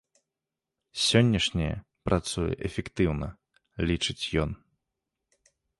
Сённяшняе працуе эфектыўна, лічыць ён.